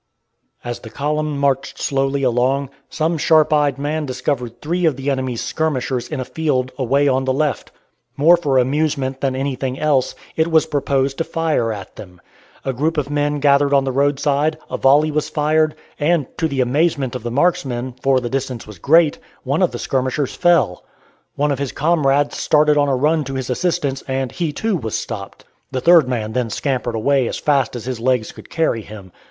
As the column marched slowly along, some sharp eyed man discovered three of the enemy's skirmishers in a field away on the left. More for amusement than anything else, it was proposed to fire at them. A group of men gathered on the roadside, a volley was fired, and, to the amazement of the marksmen, for the distance was great, one of the skirmishers fell. One of his comrades started on a run to his assistance, and he, too, was stopped. The third man then scampered away as fast as his legs could carry him.